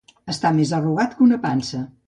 Estar més arrugat que una pansa